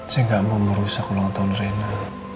saya nggak mau merusak ulang tahun reina